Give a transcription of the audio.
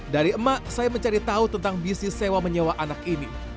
dari emak saya mencari tahu tentang bisnis sewa menyewa anak ini